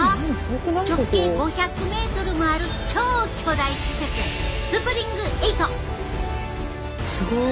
直径５００メートルもある超巨大施設すごい！